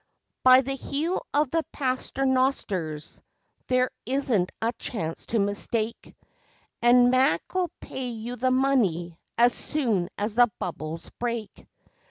By the heel of the Paternosters there isn't a chance to mistake And Mac'll pay you the money as soon as the bubbles break!